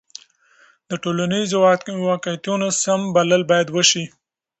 د ټولنیزو واقعیتونو سم بلل باید وسي.